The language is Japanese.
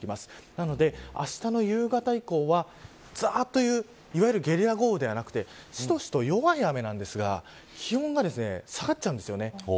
なので、あしたの夕方以降はざーっというゲリラ豪雨ではなくてしとしと弱い雨なんですが気温が下がっちゃうんです。